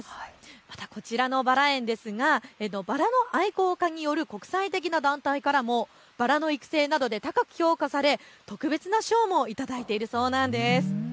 またこちらのバラ園ですがバラの愛好家による国際的な団体からもバラの育成などで高く評価され特別な賞も頂いているそうなんです。